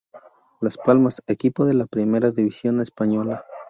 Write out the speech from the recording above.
Las Palmas, equipo de la Primera División española.